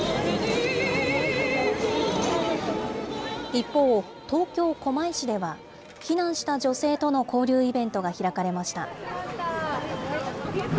一方、東京・狛江市では、避難した女性との交流イベントが開かれました。